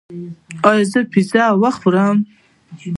ایا زه پیزا وخورم؟